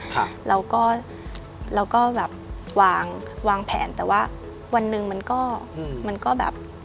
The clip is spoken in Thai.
ครับเราก็เราก็แบบวางวางแผนแต่ว่าวันหนึ่งมันก็อืมมันก็มันก็แบบ